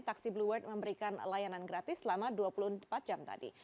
taksi blue world memberikan layanan gratis selama dua puluh empat jam tadi